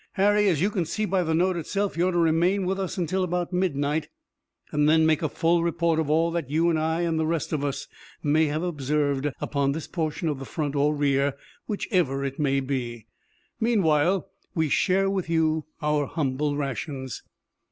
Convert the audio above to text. Harry, as you can see by the note itself, you're to remain with us until about midnight, and then make a full report of all that you and I and the rest of us may have observed upon this portion of the front or rear, whichever it may be. Meanwhile we share with you our humble rations."